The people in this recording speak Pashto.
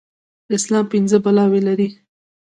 اسلام پينځه بلاوي لري.